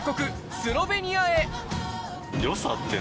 スロベニアの。